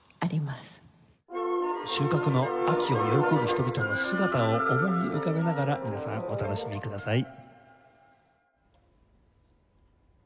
収穫の秋を喜ぶ人々の姿を思い浮かべながら皆さんお楽しみください。